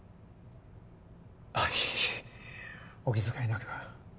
ああいえいえお気遣いなく。